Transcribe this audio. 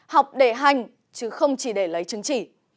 học để hành chứ không chỉ để lấy chứng chỉ